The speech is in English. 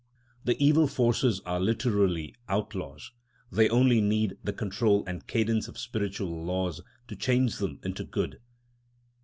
The evil forces are literally outlaws; they only need the control and cadence of spiritual laws to change them into good.